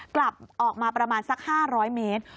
กลับออกมาประมาณสัก๕๐๐เมตร